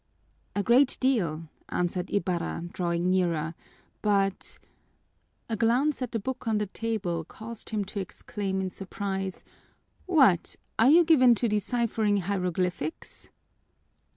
"A great deal," answered Ibarra, drawing nearer, "but " A glance at the book on the table caused him to exclaim in surprise, "What, are you given to deciphering hieroglyphics?"